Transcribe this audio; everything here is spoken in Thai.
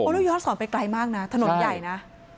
โอ้นี่ย้อนศรไปไกลมากนะถนนใหญ่นะ